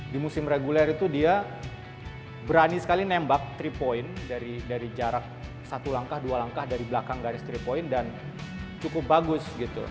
di musim reguler itu dia berani sekali nembak three point dari jarak satu langkah dua langkah dari belakang garis three point dan cukup bagus gitu